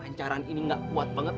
pancaran ini nggak kuat banget